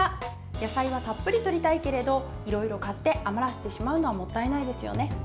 野菜をたっぷりとりたいけれどいろいろ買って余らせてしまうのはもったいないですよね。